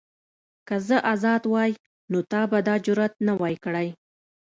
که زه ازاد وای نو تا به دا جرئت نه وای کړی.